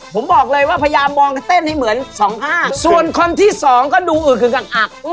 ผมบอกเลยว่าพยายามมองเต้นให้เหมือนสองอ้างส่วนคนที่สองก็ดูอึกคือกักอัก